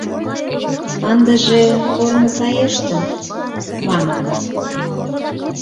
Ындыже корно саештын, маныт.